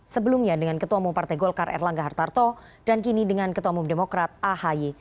sebelumnya dengan ketua umum partai golkar erlangga hartarto dan kini dengan ketua umum demokrat ahi